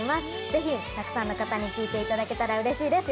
ぜひたくさんの方に聴いていただけたらうれしいです。